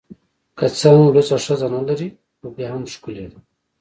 که څه هم لوڅه ښځه نلري خو بیا هم ښکلې ده